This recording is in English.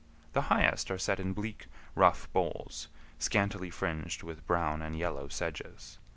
The highest are set in bleak, rough bowls, scantily fringed with brown and yellow sedges.